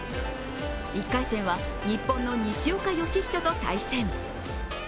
１回戦は、日本の西岡良仁と対戦。